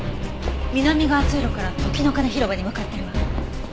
南側通路から時の鐘広場に向かってるわ。